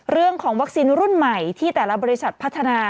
เรื่องของวัคซีนรุ่นใหม่ที่แต่ละบริษัทพัฒนา